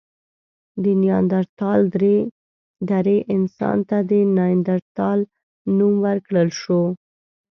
د نیاندرتال درې انسان ته د نایندرتال نوم ورکړل شو.